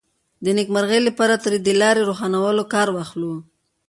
د نېکمرغۍ لپاره ترې د لارې روښانولو کار واخلو.